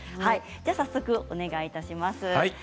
早速お願いいたします。